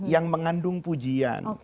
yang mengandung pujian